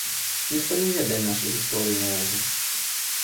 Ніхто не ведае нашай гісторыі наогул.